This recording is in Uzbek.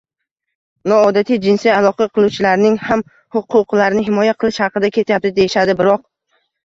noodatiy jinsiy aloqa qiluvchilarning ham huquqlarini himoya qilish haqida ketyapti» deyishadi. Biroq: